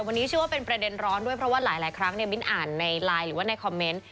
วันนี้ชื่อว่าเป็นประเด็นร้อนด้วยเพราะว่าหลายครั้งบินอ่านในไลน์หรือว่าในคอมเมนต์